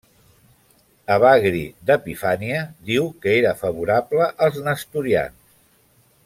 Evagri d'Epifania diu que era favorable als nestorians.